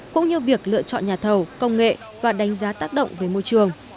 cũng như việc lựa chọn nhà thầu công nghệ và đánh giá tác động về môi trường